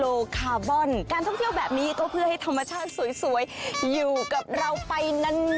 โลคาร์บอนการท่องเที่ยวแบบนี้ก็เพื่อให้ธรรมชาติสวยอยู่กับเราไปนาน